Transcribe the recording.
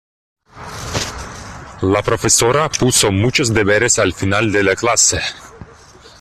La profesora puso muchos deberes al final de la clase.